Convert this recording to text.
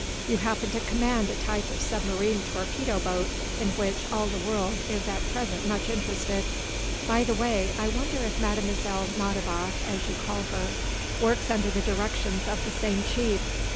You happen to command a type of submarine torpedo boat in which all the world is at present much interested. By the way, I wonder if Mlle. Nadiboff, as you call her, works under the directions of the same chief?